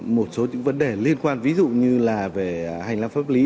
một số những vấn đề liên quan ví dụ như là về hành lang pháp lý